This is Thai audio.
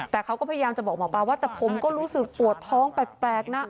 แต่เขาก็พยายามจะบอกหมอปลาว่าแต่ผมก็รู้สึกปวดท้องแปลกนะ